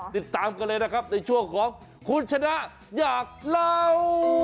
ติดตามกันเลยนะครับในช่วงของคุณชนะอยากเล่า